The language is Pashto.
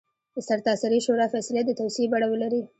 د سرتاسري شورا فیصلې د توصیې بڼه ولري.